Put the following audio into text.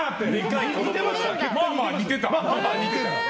まあまあ似てた。